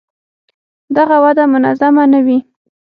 دغه وده منظمه نه وي.